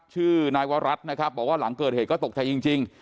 ชื่อนายวรัฐนะครับบอกว่าหลังเกิดเหตุก็ตกใจจริง